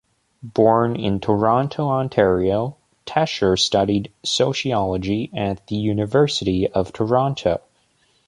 Born in Toronto, Ontario, Tesher studied sociology at the University of Toronto.